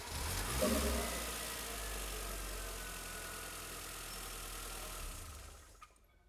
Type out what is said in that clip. Mate na majimaji mengine kutoka kwenye ngozi hubeba virusi Madonda au mabaka ya ngozi